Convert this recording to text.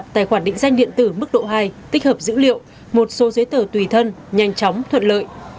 tài khoản định danh điện tử mức độ hai tích hợp dữ liệu một số giấy tờ tùy thân nhanh chóng thuận lợi